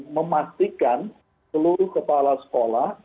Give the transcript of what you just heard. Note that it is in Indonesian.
memastikan seluruh kepala sekolah